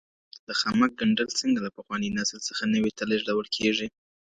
د خامک ګنډل څنګه له پخواني نسل څخه نوي ته لېږدول کېږي؟